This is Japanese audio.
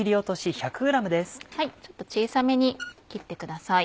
ちょっと小さめに切ってください。